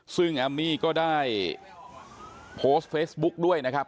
ซึ่งแอมมี่ก็ได้โพสต์เฟซบุ๊กด้วยนะครับ